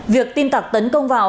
việc tin tặc tấn công vào